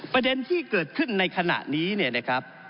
ประเด็นที่เกิดขึ้นในขณะนี้เนี่ยนะครับ